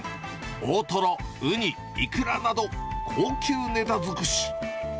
大トロ、ウニ、イクラなど、高級ネタ尽くし。